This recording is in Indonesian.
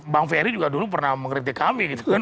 bang ferry juga dulu pernah mengkritik kami gitu kan